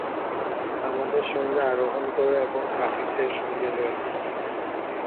আমাদের সঙ্গে আরোহণ কর এবং কাফিরদের সঙ্গী হয়ো না।